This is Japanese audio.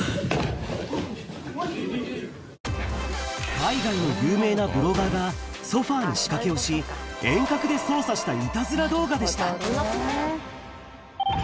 海外の有名なブロガーが、ソファに仕掛けをし、遠隔で操作したいたずら動画でした。